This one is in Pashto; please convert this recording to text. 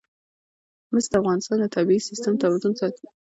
مس د افغانستان د طبعي سیسټم توازن ساتي.